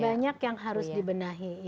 banyak yang harus dibenahi